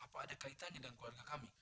apa ada kaitannya dengan keluarga kami